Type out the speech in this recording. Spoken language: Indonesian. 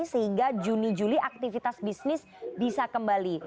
sehingga juni juli aktivitas bisnis bisa kembali